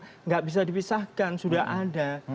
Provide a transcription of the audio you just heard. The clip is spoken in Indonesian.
tidak bisa dipisahkan sudah ada